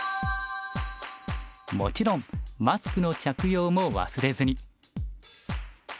もちろんマスクの着用も忘れずに。